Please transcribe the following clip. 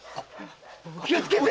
お気をつけて！